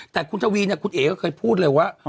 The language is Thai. แต่คุณทวีเนี่ยคุณเอ๋ก็เคยพูดเลยว่า